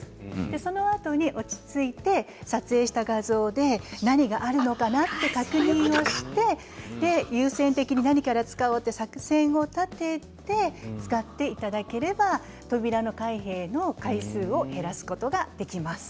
そのあとに落ち着いて撮影した画像で何があるのかな？と確認をして優先的に何から使おうと作戦を立てて使っていただければ扉の開閉の回数を減らすことができます。